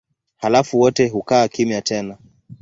Halafu wote hukaa kimya tena.